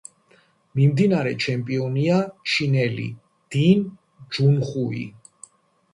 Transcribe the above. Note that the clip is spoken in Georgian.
მიმდინარე ჩემპიონია ჩინელი დინ ჯუნხუი.